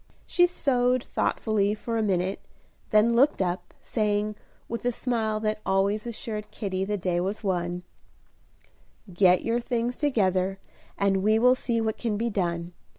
She sewed thoughtfully for a minute, then looked up, saying, with the smile that always assured Kitty the day was won, "Get your things together, and we will see what can be done.